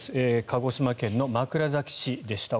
鹿児島県の枕崎市でした。